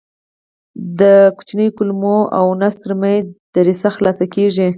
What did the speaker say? د وړو کولمو او ګیدې تر منځ دریڅه خلاصه کېږي.